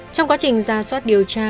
trong quá trình ra soát điều tra